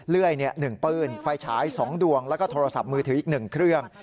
เลื่อย๑ปื้นไฟฉาย๒ดวงแล้วก็โทรศัพท์มือถืออีก๑เครื่อง